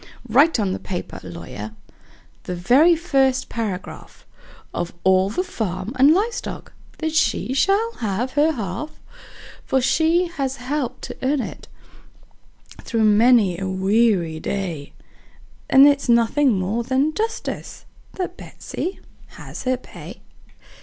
Write on the paper, lawyer the very first paragraph Of all the farm and live stock that she shall have her half; For she has helped to earn it, through many a weary day, And it's nothing more than justice that Betsey has her pay.